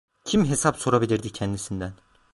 Kim hesap sorabilirdi kendisinden?